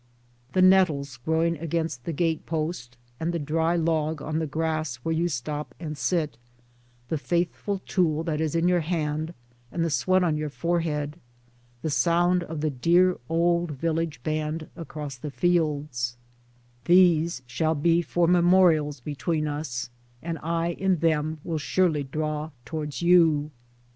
The nettles growing against the gate post, and the dry log on the grass where you stop and sit, the faithful tool that is in your hand and the sweat on your forehead, the sound of the dear old village band across far fields — These shall be for memorials between us, and I in them will surely draw towards you.